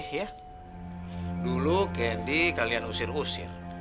kita masih tak orientation